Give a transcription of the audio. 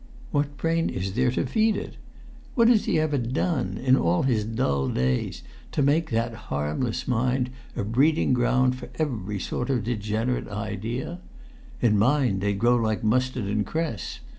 What brain is there to feed it? What has he ever done, in all his dull days, to make that harmless mind a breeding ground for every sort of degenerate idea? In mine they'd grow like mustard and cress.